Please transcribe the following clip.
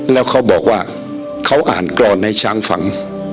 แล้วเขาบอกว่าเขาอ่านกรอนให้ช้างฟัง